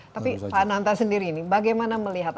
tapi pak ananta sendiri ini bagaimana melihat